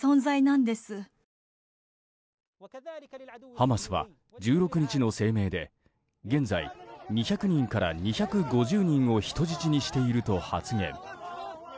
ハマスは１６日の声明で現在、２００人から２５０人を人質にしていると発言。